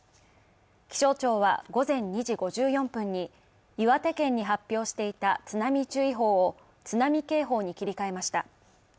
気象庁は午前２時５４分に岩手県に発表していた津波注意報を津波警報に切り替えました。